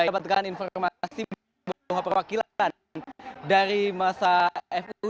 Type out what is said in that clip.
saya dapatkan informasi bahwa perwakilan dari masa fu